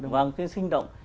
vâng cái sinh động